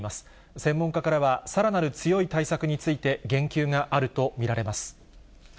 専門家からは、さらなる強い対策について言及があると見られます。